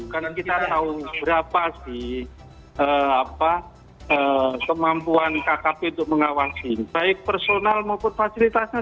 kan kita tahu berapa sih kemampuan kkp untuk mengawasi baik personal maupun fasilitasnya